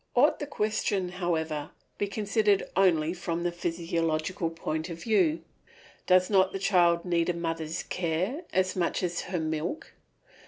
Ought the question, however, to be considered only from the physiological point of view? Does not the child need a mother's care as much as her milk?